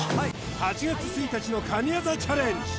８月１日の神業チャレンジ